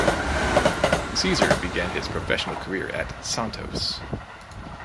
Caesar began his professional career at Santos.